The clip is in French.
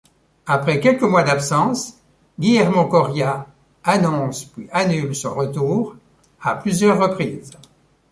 Après quelques mois d'absence, Guillermo Coria annonce puis annule son retour à plusieurs reprises.